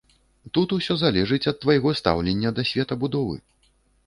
Тут усё залежыць ад твайго стаўлення да светабудовы.